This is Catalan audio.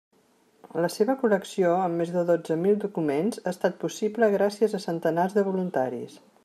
La seva col·lecció amb més de dotze mil documents, ha estat possible gràcies a centenars de voluntaris.